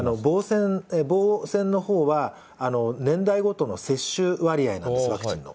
棒線のほうは、年代ごとの接種割合なんです、ワクチンの。